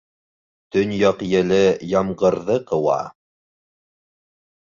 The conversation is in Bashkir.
Төньяҡ еле ямғырҙы ҡыуа.